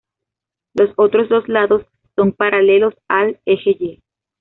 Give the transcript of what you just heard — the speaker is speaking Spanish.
Los otros dos lados son paralelos al eje y.